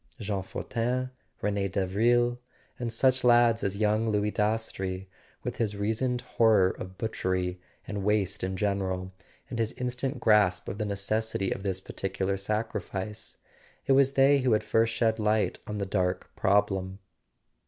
Jean Fortin, Rene Davril, and such lads as young Louis Dastrey, with his reasoned horror of butchery and waste in general, and his in¬ stant grasp of the necessity of this particular sacrifice: it was they who had first shed light on the dark prob¬ lem.